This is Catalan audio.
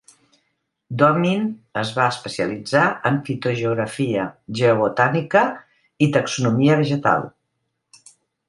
Domin es va especialitzar en fitogeografia, geobotànica i taxonomia vegetal.